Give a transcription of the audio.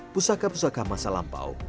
pusaka pusaka masa lampau